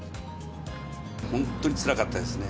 本当につらかったですね。